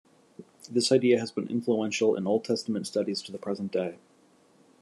This idea has been influential in Old Testament Studies to the present day.